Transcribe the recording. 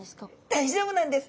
大丈夫なんです。